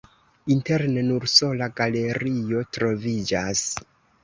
Interne nur sola galerio troviĝas.